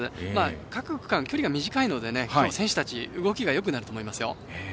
各区間、距離が短いので選手たち動きがよくなると思いますよ。